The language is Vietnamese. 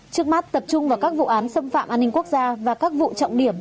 trước mắt tập trung vào các vụ án xâm phạm an ninh quốc gia và các vụ trọng điểm